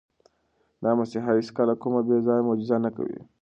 دا مسیحا هیڅکله کومه بې ځایه معجزه نه کوي.